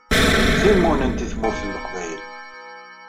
Timunent i tmurt n Leqbayel.